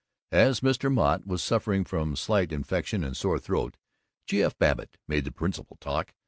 "As Mr. Mott was suffering from slight infection and sore throat, G. F. Babbitt made the principal talk.